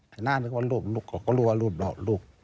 หน้านึกว่าลูกลูกก็รู้ว่าลูกเราลูก